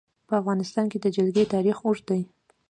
په افغانستان کې د جلګه تاریخ اوږد دی.